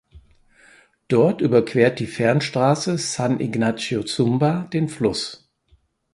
Dort überquert die Fernstraße San Ignacio–Zumba den Fluss.